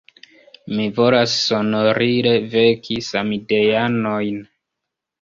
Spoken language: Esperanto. Mi volas sonorile veki samideanojn!